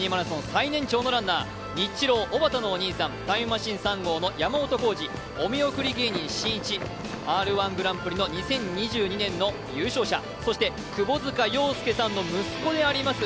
最年長ランナーニッチロー、おばたのお兄さん、タイムマシーン３号、お見送り芸人しんいち、Ｒ１グランプリの２０２１年の優勝者そして、窪塚洋介さんの息子であります